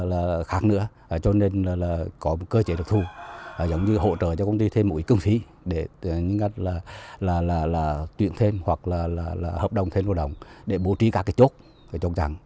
là khác nữa cho nên là có một cơ chế đặc thu giống như hỗ trợ cho công ty thêm một ít cương phí để tự nhiên là tuyển thêm hoặc là hợp đồng thêm vô đồng để bố trí các cái chốt cái chốt răng